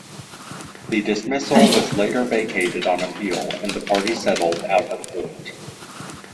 This dismissal was later vacated on appeal, and the parties settled out of court.